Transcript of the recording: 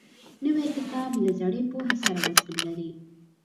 نوی کتاب له زړې پوهې سره وصل لري